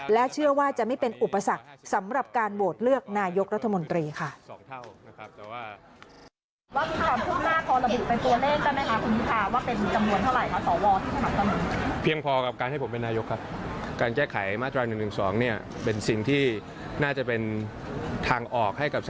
และเชื่อว่าจะไม่เป็นอุปสรรคสำหรับการโหวตเลือกนายกรัฐมนตรีค่ะ